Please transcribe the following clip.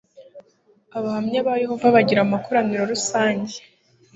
abahamya ba yehova bagira amakoraniro rusange